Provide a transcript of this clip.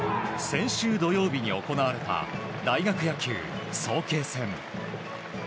先週土曜日に行われた大学野球、早慶戦。